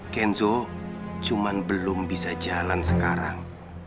kenzo cuma belum bisa jalan sekarang